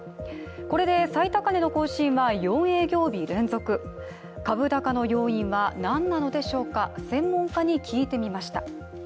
これで最高値の更新は４営業日連続株高の要因は何なのでしょうか専門家に聞いてみました。